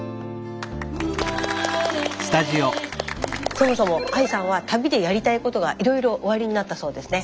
そもそもＡＩさんは旅でやりたいことがいろいろおありになったそうですね。